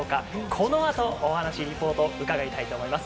このあと、お話リポートを伺いたいと思います。